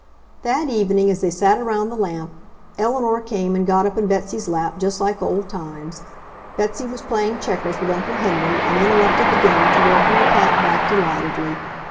That evening, as they sat around the lamp, Eleanor came and got up in Betsy's lap just like old times. Betsy was playing checkers with Uncle Henry and interrupted the game to welcome the cat back delightedly.